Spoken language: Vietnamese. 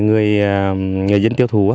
người dân tiêu thú